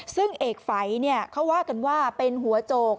ซึ่งเอกฝัยเขาว่ากันว่าเป็นหัวโจก